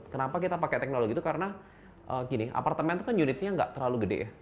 kenapa kita pakai teknologi itu karena gini apartemen itu kan unitnya nggak terlalu gede ya